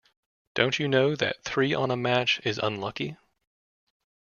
Don't you know that three on a match is unlucky?